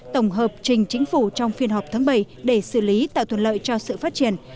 tổng hợp trình chính phủ trong phiên họp tháng bảy để xử lý tạo thuận lợi cho sự phát triển